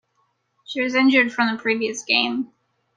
She was injured from the previous game.